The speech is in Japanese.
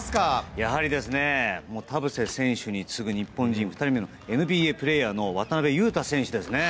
やはり田臥選手に次ぐ日本人２人目のＮＢＡプレーヤー渡邊雄太選手ですね。